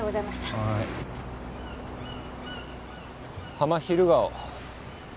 ハマヒルガオ。